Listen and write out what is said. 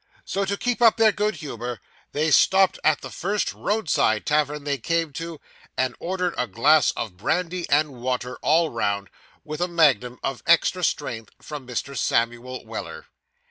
So, to keep up their good humour, they stopped at the first roadside tavern they came to, and ordered a glass of brandy and water all round, with a magnum of extra strength for Mr. Samuel Weller.